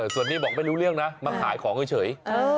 ส่วนนี้บอกไม่รู้เรื่องนะมาขายของเฉย